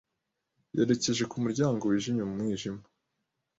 Yerekeje ku muryango wijimye mu mwijima.